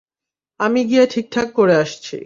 আমি গিয়ে ঠিকঠাক করে আসছি।